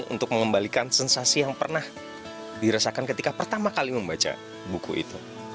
untuk mengembalikan sensasi yang pernah dirasakan ketika pertama kali membaca buku itu